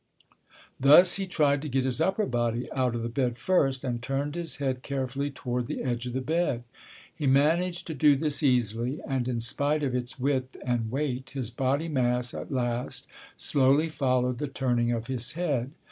Thus, he tried to get his upper body out of the bed first and turned his head carefully toward the edge of the bed. He managed to do this easily, and in spite of its width and weight his body mass at last slowly followed the turning of his head.